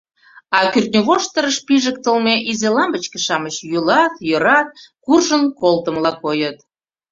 А кӱртньывоштырыш пижыктылме изи лампычке-шамыч йӱлат, йӧрат, куржын колтымыла койыт.